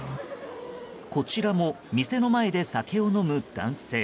こちらも店の前で酒を飲む男性。